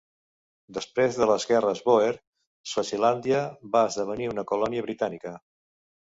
Després de les Guerres Bòer, Swazilàndia va esdevenir una colònia britànica.